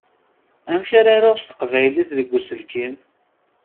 Amek ara yaruɣ s teqbaylit deg uselkim?